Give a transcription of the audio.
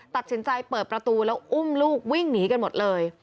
ตัดสินใจเปิดประตูแล้วอุ้มลูกวิ่งหนีกันหมดเลย